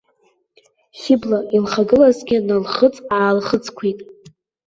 Хьыбла илхагылазгьы нылхыҵ-аалхыҵқәеит.